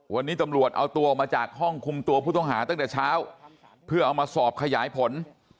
วันนี้ตำรวจเอาตัวออกมาจากห้องคุมตัวผู้ต้องหาตั้งแต่เช้าเพื่อเอามาสอบขยายผล